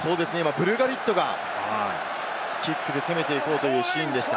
ブルガリットがキックで攻めていこうというシーンでした。